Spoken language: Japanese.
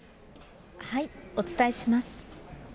お伝えします。